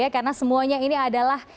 karena semuanya ini adalah